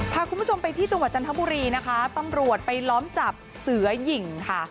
พาคุณผู้ชมไปที่จังหวัดจันทบุรีนะคะตำรวจไปล้อมจับเสือหญิงค่ะ